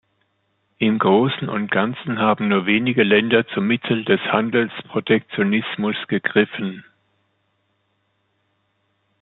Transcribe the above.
Im Großen und Ganzen haben nur wenige Länder zum Mittel des Handelsprotektionismus gegriffen.